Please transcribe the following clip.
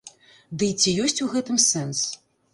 Дый ці ёсць у гэтым сэнс?